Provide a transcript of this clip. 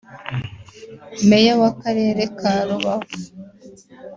Meya w’Akarere ka Rubavu